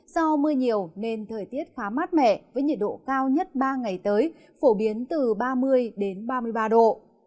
do mưa nhiều nên thời tiết khá mát mẻ với nhiệt độ cao nhất ba ngày tới phổ biến từ ba mươi ba mươi ba độ